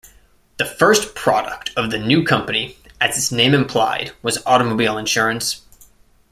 The first product of the new company, as its name implied, was automobile insurance.